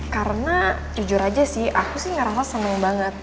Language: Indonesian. karena jujur aja sih aku sih ngerasa seneng banget